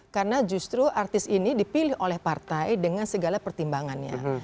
karena justru artis ini dipilih oleh partai dengan segala pertimbangannya